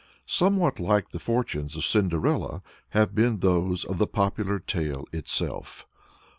Somewhat like the fortunes of Cinderella have been those of the popular tale itself.